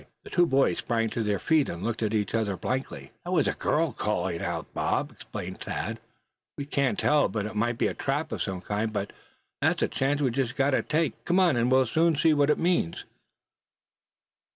The two boys sprang to their feet, and looked at each other blankly. "That was a girl called out, Bob!" exclaimed Thad. "We can't tell but what it may be a trap of some kind, but that's a chance we've just got to take. Come on, and we'll soon see what it means!"